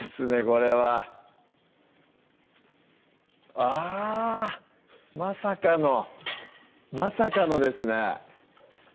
これはあまさかのまさかのですね